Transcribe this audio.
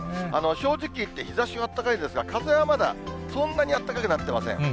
正直言って、日ざしはあったかいですが、風はまだそんなにあったかくなってません。